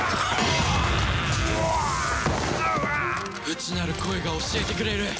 内なる声が教えてくれる。